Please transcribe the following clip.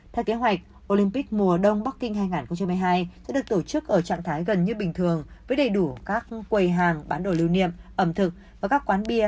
theo kế hoạch olympic mùa đông bắc kinh hai nghìn hai mươi hai sẽ được tổ chức ở trạng thái gần như bình thường với đầy đủ các quầy hàng bán đồ lưu niệm ẩm thực và các quán bia